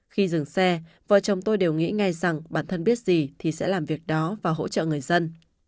khi dừng xe vợ chồng tôi đều nghĩ ngay rằng bản thân biết gì thì sẽ làm việc đó và hỗ trợ người dân